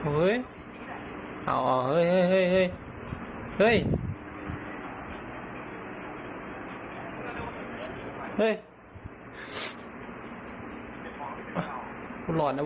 เฮ้ยอ่าเฮ้ยเฮ้ยเฮ้ยเฮ้ย